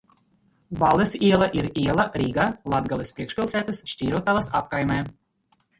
Valles iela ir iela Rīgā, Latgales priekšpilsētas Šķirotavas apkaimē.